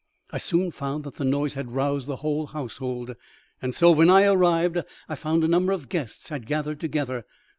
I soon found that the noise had roused the whole household, and so, when I arrived, I found a number of the guests had gathered together.